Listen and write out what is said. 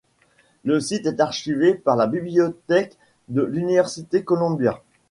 Le site est archivé par la Bibliothèques de l'Université Columbia.